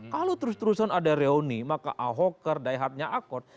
kalau terus terusan ada reuni maka ahoker diehardnya accord